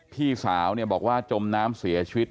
พี่สาวบอกว่าจมน้ำเสียชีวิต